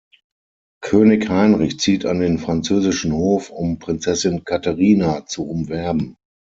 König Heinrich zieht an den französischen Hof, um Prinzessin Katherina zu umwerben.